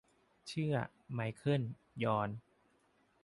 เชื่อ ไมเคิล ยอน